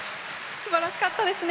すばらしかったですね。